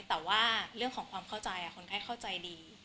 แต่ว่าเรื่องของความเข้าใจคนไข้เข้าใจดี